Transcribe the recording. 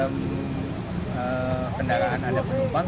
yang ngumpul dalam kendaraan ada penumpang